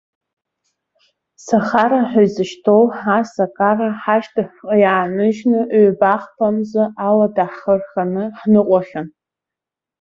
Сахара ҳәа изышьҭоу асакара ҳашьҭахьҟа иааныжьны, ҩбахԥа мза алада ҳхы рханы ҳныҟәахьан.